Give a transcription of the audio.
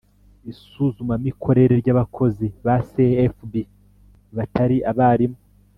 isuzumamikorere ry abakozi ba sfb batari abarimu